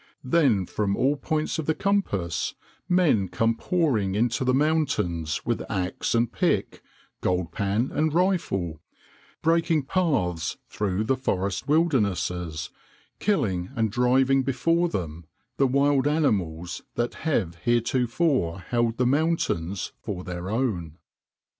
Then from all points of the compass men come pouring into the mountains with axe and pick, gold pan and rifle, breaking paths through the forest wildernesses, killing and driving before them the wild animals that have heretofore held the mountains for their own.